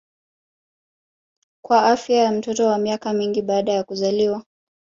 kwa afya ya mtoto kwa miaka mingi baada ya kuzaliwa